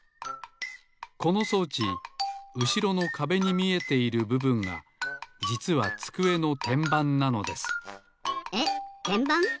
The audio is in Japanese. この装置うしろのかべに見えているぶぶんがじつはつくえのてんばんなのですえってんばん？